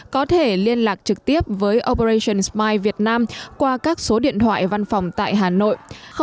có thể liên lạc trực tiếp với operation smile việt nam qua các số điện thoại văn phòng tại hà nội